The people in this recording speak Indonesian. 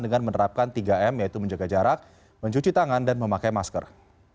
dengan menerapkan tiga m yaitu menjaga jarak mencuci tangan dan memakai masker